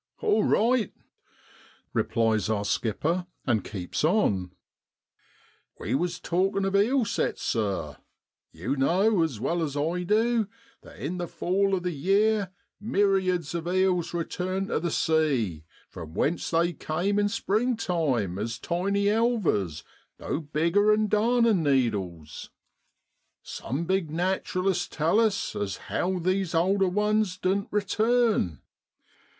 * All right !' replies our skipper, and keeps on. ' We was talkin' of eel sets, sir, you know as well as I do that in the fall of the year myriads of eels return to the sea, from whence they came in springtime as tiny elvers no bigger 'an darnin' needles. Some big naturalists tell us as how these older ones don't return.